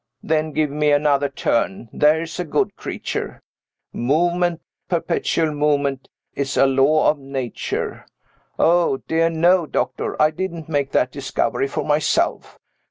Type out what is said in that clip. Then give me another turn, there's a good creature. Movement, perpetual movement, is a law of Nature. Oh, dear no, doctor; I didn't make that discovery for myself.